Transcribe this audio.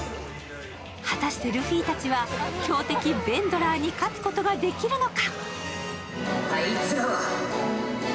果たしてルフィたちは強敵・ヴェンドラーに勝つことができるのか。